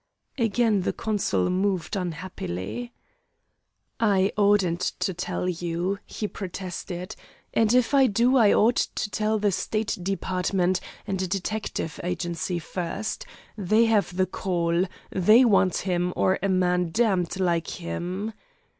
Again the consul moved unhappily. "I oughtn't to tell you," he protested, "and if I do I ought to tell the State Department, and a detective agency first. They have the call. They want him, or a man damned like him."